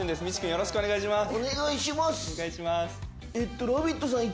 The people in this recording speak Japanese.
よろしくお願いします。